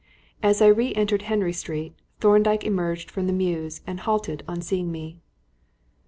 As I re entered Henry Street, Thorndyke emerged from the mews and halted on seeing me.